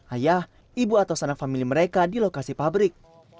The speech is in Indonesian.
ayah ibu atau sanak famili mereka di lokasi pabrik